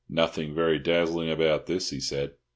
"Nothing very dazzling about this," he said.